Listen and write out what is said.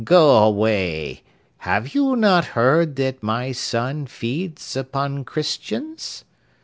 Go away. Have you not heard that my son feeds upon Christians?